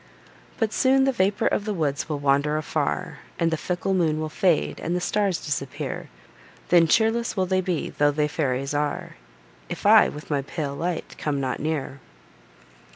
But soon the vapour of the woods will wander afar, And the fickle moon will fade, and the stars disappear, Then, cheerless will they be, tho' they fairies are, If I, with my pale light, come not near!